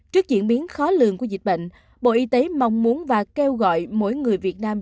trước diễn biến khó lường của dịch bệnh bộ y tế mong muốn và kêu gọi mỗi người việt nam